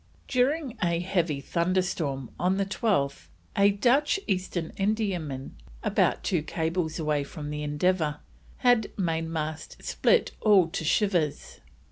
During a heavy thunderstorm on the 12th, a Dutch East Indiaman, about two cables away from the Endeavour, had mainmast "split all to shivers."